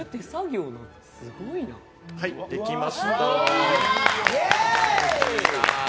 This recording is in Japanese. はい、できました。